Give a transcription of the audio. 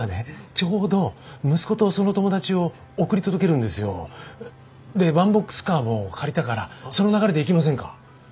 ちょうど息子とその友達を送り届けるんですよ。でワンボックスカーも借りたからその流れで行きませんか？